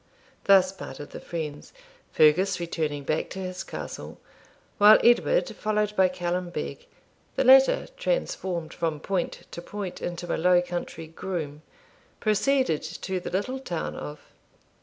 ] Thus parted the friends; Fergus returning back to his castle, while Edward, followed by Callum Beg, the latter transformed from point to point into a Low Country groom, proceeded to the little town of